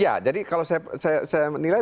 ya jadi kalau saya menilai